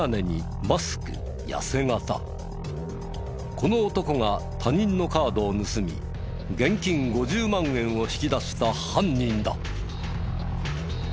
この男が他人のカードを盗み現金５０万円を引き出した犯人だ。